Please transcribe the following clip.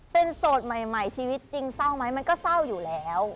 เป็นโสดใหม่ชีวิตจริงเศร้าไหมมันก็เศร้าอยู่แล้ว